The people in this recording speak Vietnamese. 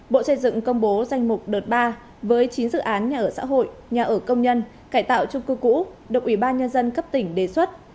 bộ xây dựng công bố danh mục đợt ba với chín dự án nhà ở xã hội nhà ở công nhân cải tạo trung cư cũ được ủy ban nhân dân cấp tỉnh đề xuất